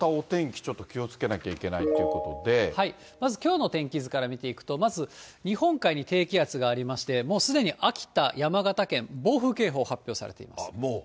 ちょっと気をつけなきゃいけないということまずきょうの天気図から見ていくと、まず日本海に低気圧がありまして、もうすでに秋田、山形県、暴風警報発表されています。